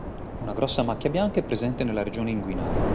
Una grossa macchia bianca è presente nella regione inguinale.